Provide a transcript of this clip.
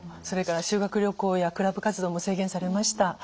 それから修学旅行やクラブ活動も制限されました。